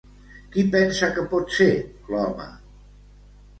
Qui pensa que pot ser l'home?